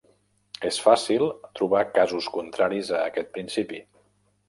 És fàcil trobar casos contraris a aquest principi.